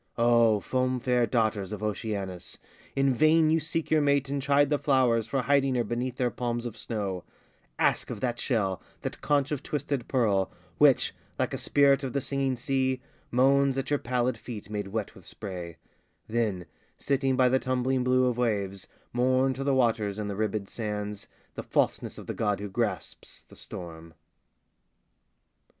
O foam fair daughters of Oceanus! In vain you seek your mate and chide the flowers For hiding her beneath their palms of snow: Ask of that shell, that conch of twisted pearl, Which, like a spirit of the singing sea, Moans at your pallid feet made wet with spray: Then, sitting by the tumbling blue of waves, Mourn to the waters and the ribbéd sands, The falseness of the god who grasps the storm.